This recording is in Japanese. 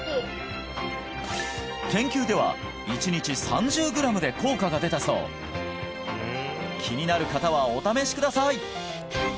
研究では１日３０グラムで効果が出たそう気になる方はお試しください